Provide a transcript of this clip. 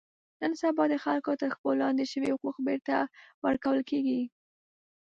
نن سبا د خلکو تر پښو لاندې شوي حقوق بېرته ور کول کېږي.